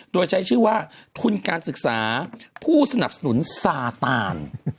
โดยใช้ชื่อว่าทุนการศึกษาผู้สนับสนุนซาตาน